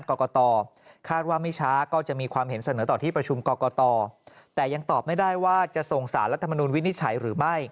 กรกตคาดว่าไม่ช้าก็จะมีความเห็นเสนอต่อที่ประชุมกรกตแต่ยังตอบไม่ได้ว่าจะส่งสารรัฐมนุนวินิจฉัยหรือไม่